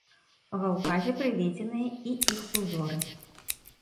Ва ўказе прыведзеныя і іх узоры.